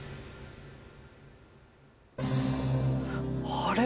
あれ？